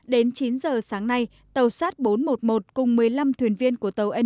đến chín h sáng nay tàu sát bốn trăm một mươi một bị chìm trên biển quỳnh phương thị xã hoàng mai tỉnh nghệ an toàn